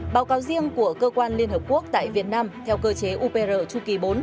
báo cáo riêng của cơ quan liên hợp quốc tại việt nam theo cơ chế upr chu kỳ bốn